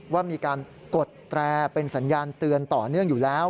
ว่ามีการกดแตรเป็นสัญญาณเตือนต่อเนื่องอยู่แล้ว